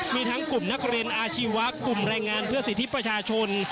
มีทั้งกลุ่มนักเรียนอาชีวะกลุ่มแรงงานเพื่อสิทธิประชาชน